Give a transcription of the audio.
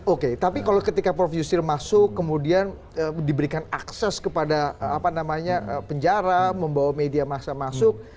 oke tapi kalau ketika prof yusril masuk kemudian diberikan akses kepada penjara membawa media massa masuk